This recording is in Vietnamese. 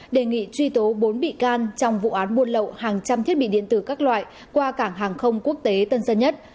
đề nghị truy tố bốn bị can trong vụ án buôn lậu hàng trăm thiết bị điện tử các loại qua cảng hàng không quốc tế tân sơn nhất